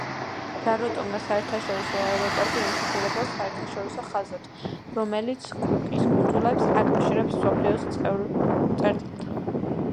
რაროტონგას საერთაშორისო აეროპორტი ემსახურება საერთაშორისო ხაზებს, რომელიც კუკის კუნძულებს აკავშირებს მსოფლიოს ბევრ წერტილთან.